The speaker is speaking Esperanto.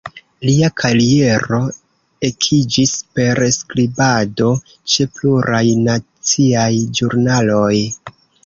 Lia kariero ekiĝis per skribado ĉe pluraj naciaj ĵurnaloj.